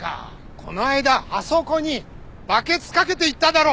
この間あそこにバケツ掛けていっただろ！